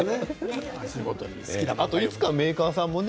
あとメーカーさんもね